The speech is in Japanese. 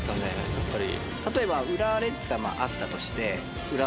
やっぱり。